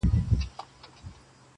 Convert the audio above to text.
ژړا مي وژني د ژړا اوبـو تـه اور اچـوي.